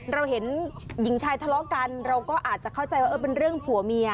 เราเห็นหญิงชายทะเลาะกันเราก็อาจจะเข้าใจว่าเป็นเรื่องผัวเมีย